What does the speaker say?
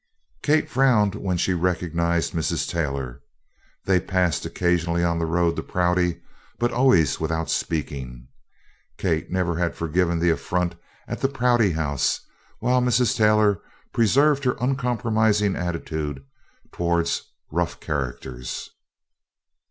Kate frowned when she recognized Mrs. Taylor. They passed occasionally on the road to Prouty, but always without speaking. Kate never had forgiven the affront at the Prouty House, while Mrs. Taylor preserved her uncompromising attitude towards "rough characters."